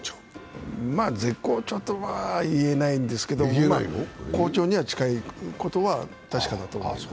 絶好調とは言えないんですけども、好調には近いことは確かだと思います。